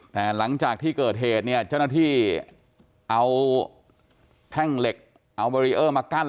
แต่หลังจากที่เกิดเหตุเนี่ยเจ้าหน้าที่เอาแท่งเหล็กเอาเบรีเออร์มากั้น